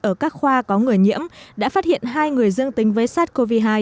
ở các khoa có người nhiễm đã phát hiện hai người dương tính với sars cov hai